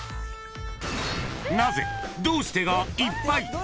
［なぜ？どうして？がいっぱい！］